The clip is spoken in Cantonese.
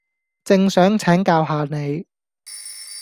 正想請教吓你